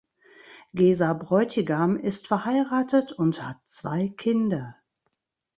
Gesa Bräutigam ist verheiratet und hat zwei Kinder.